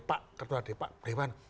pak ketua dprd pak dewan